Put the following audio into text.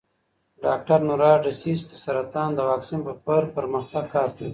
ډاکټر نورا ډسیس د سرطان د واکسین پر پرمختګ کار کوي.